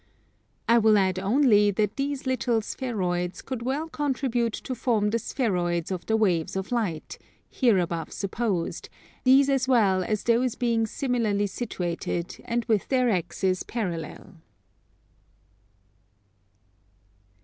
I will add only that these little spheroids could well contribute to form the spheroids of the waves of light, here above supposed, these as well as those being similarly situated, and with their axes parallel.